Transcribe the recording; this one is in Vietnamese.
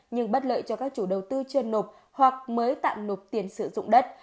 nhưng bất lợi cho các chủ đầu tư chưa nụp hoặc mới tạm nụp tiền sử dụng đất